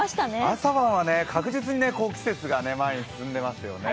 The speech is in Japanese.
朝晩は確実に季節が前に進んでますよね。